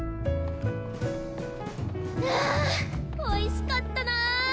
あおいしかったな！